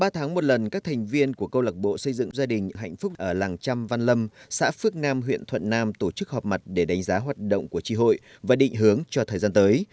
ba tháng một lần các thành viên của câu lạc bộ xây dựng gia đình hạnh phúc ở làng trăm văn lâm xã phước nam huyện thuận nam tổ chức họp mặt để đánh giá hoạt động của tri hội và định hướng cho thời gian tới